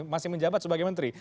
masih menjabat sebagai menteri